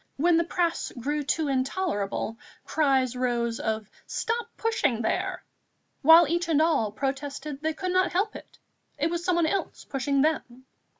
When the press grew too intolerable, cries rose of "Stop pushing there!" while each and all protested they could not help it it was someone else pushing them.